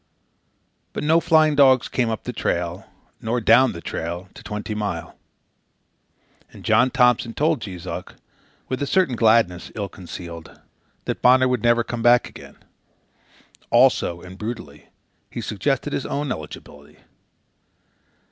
But no flying dogs came up the trail, nor down the trail, to Twenty Mile. And John Thompson told Jees Uck, with a certain gladness ill concealed, that Bonner would never come back again. Also, and brutally, he suggested his own eligibility.